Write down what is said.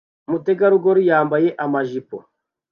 Umutegarugori yambaye amajipo